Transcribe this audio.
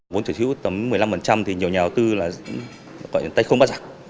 vốn chủ sở hữu tầm một mươi năm thì nhiều nhà đầu tư gọi là tay không bắt giặc